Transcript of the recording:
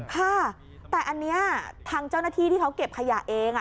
ค่ะแต่อันนี้ทางเจ้าหน้าที่ที่เขาเก็บขยะเอง